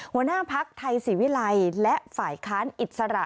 หัวหน้าภักดิ์ไทยศิวิไลและฝ่ายค้านอิจสรรค์